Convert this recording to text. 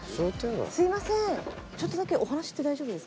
すいませんちょっとだけお話って大丈夫ですか？